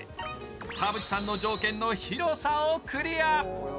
田渕さんの条件の広さをクリア。